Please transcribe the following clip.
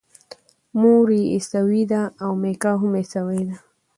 مور یې عیسویه ده او میکا هم عیسوی دی.